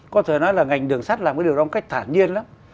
có thể nói là ngành đường sắt làm cái điều đó một cách thản nhiên lắm